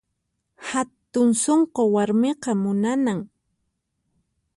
Hatun sunqu warmiqa munanan